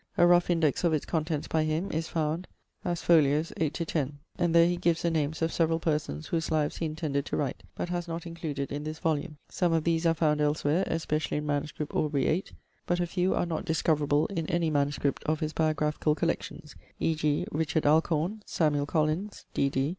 A rough index of its contents, by him, is found as foll. 8 10: and there he gives the names of several persons whose lives he intended to write, but has not included in this volume. Some of these are found elsewhere, especially in MS. Aubrey 8; but a few are not discoverable in any MS. of his biographical collections e.g., Richard Alcorne; Collins, D.D.